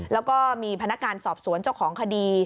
แล้วก็มีพนักงานสอบสวนเจ้าของคดี